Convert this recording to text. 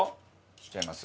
切っちゃいます？